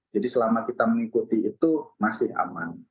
jadi selama kita mengikuti itu masih aman